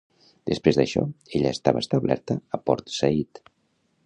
Després d'això, ella estava establerta a Port Saïd.